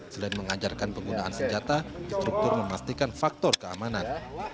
selain mengajarkan penggunaan senjata instruktur memastikan faktor keamanan